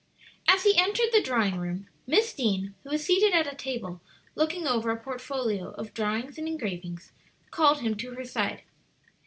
As he entered the drawing room, Miss Deane, who was seated at a table looking over a portfolio of drawings and engravings, called him to her side.